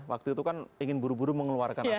waktu itu kan ingin buru buru mengeluarkan aturan